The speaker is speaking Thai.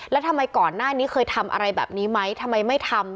แล้วทำไมก่อนหน้านี้เคยทำอะไรแบบนี้ไหมทำไมไม่ทำ